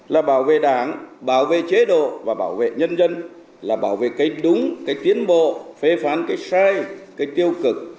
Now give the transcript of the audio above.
là bảo vệ đảng bảo vệ chế độ và bảo vệ nhân dân là bảo vệ cái đúng cái tiến bộ phê phán cái sai cái tiêu cực